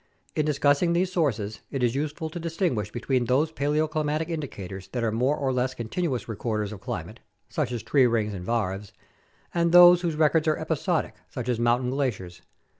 In discussing these sources it is useful to distinguish between those paleoclimatic indicators that are more or less continuous re corders of climate, such as tree rings and varves, and those whose records are episodic, such as mountain glaciers.